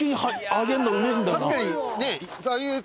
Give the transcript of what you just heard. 上げるのうめえんだな。